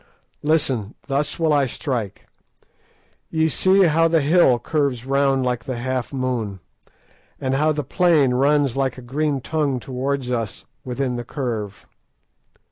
Listen; thus will I strike. Ye see how the hill curves round like the half moon, and how the plain runs like a green tongue towards us within the curve?"